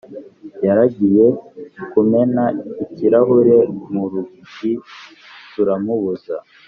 yaragiye kumena ikirahure mu rugi turamubuza